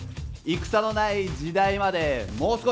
戦のない時代までもう少し！